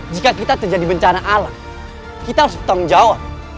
jika kita terjadi bencana alam kita harus bertanggung jawab